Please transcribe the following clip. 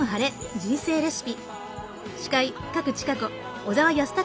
人生レシピ」。